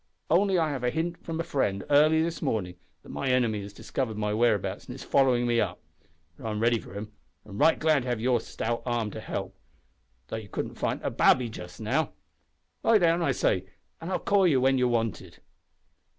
Only I have had a hint from a friend, early this morning, that my enemy has discovered my whereabouts, and is following me up. But I'm ready for him, and right glad to have your stout arm to help though you couldn't fight a babby just now. Lie down, I say, an' I'll call you when you're wanted."